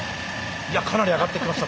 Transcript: いやかなり上がってきました。